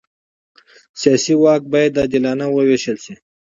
سیاسي واک باید عادلانه ووېشل شي